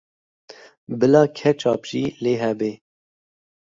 Bila ketçap jî lê hebe.